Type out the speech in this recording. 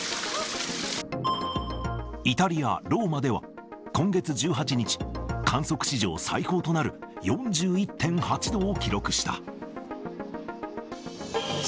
イタリア・ローマでは、今月１８日、観測史上最高となる４１．８度を記録した。